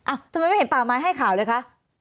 ทำไมไม่เห็นป่าไม้ให้ข่าวเลยคะ